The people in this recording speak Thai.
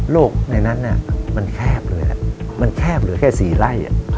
โลกในนั้นมันแคบเลยมันแคบเลยแค่สี่ไร่